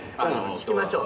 聞きましょう。